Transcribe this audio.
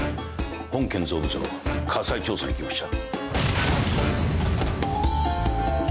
本建造物の火災調査に来ました。